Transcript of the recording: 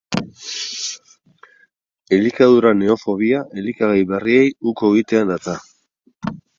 Elikadura neofobia elikagai berriei uko egitean datza.